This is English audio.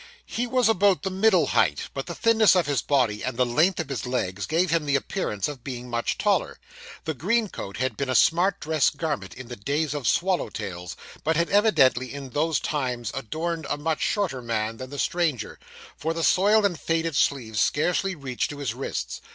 He was about the middle height, but the thinness of his body, and the length of his legs, gave him the appearance of being much taller. The green coat had been a smart dress garment in the days of swallow tails, but had evidently in those times adorned a much shorter man than the stranger, for the soiled and faded sleeves scarcely reached to his wrists.